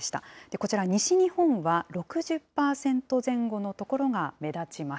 こちら西日本は６０％前後の所が目立ちます。